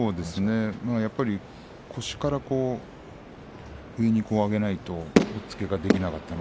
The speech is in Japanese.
腰から上に上げないと押っつけができませんでした。